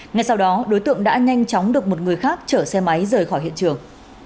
ngay sau đó đối tượng đã nhanh chóng được một người khác chở xe máy rời khỏi hiện trường